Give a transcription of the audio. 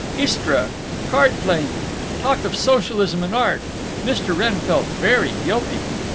Istra…. Card playing…. Talk of socialism and art. Mr. Wrenn felt very guilty.